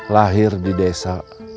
lahir di desa